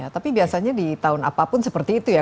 tapi biasanya di tahun apapun seperti itu ya